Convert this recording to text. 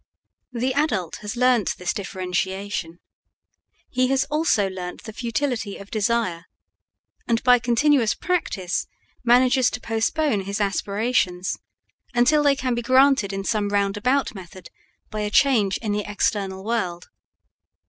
The adult has learnt this differentiation; he has also learnt the futility of desire, and by continuous practice manages to postpone his aspirations, until they can be granted in some roundabout method by a change in the external world.